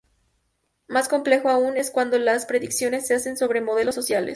Más complejo aún es cuando las predicciones se hacen sobre modelos sociales.